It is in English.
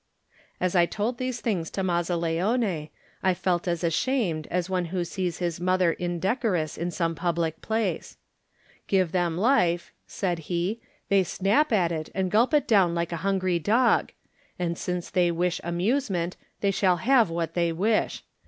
As I told these things to Mazzaleone I felt as ashamed as one who sees his mother indecorous in some public place. "Give them life," said he; "they snap at it and gulp it down like a hungry dog; and since they wish amusement they shall have what they wish.